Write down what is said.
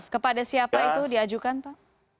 kepada siapa itu diajukan pak